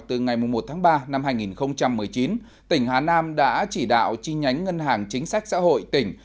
từ ngày một tháng ba năm hai nghìn một mươi chín tỉnh hà nam đã chỉ đạo chi nhánh ngân hàng chính sách xã hội tỉnh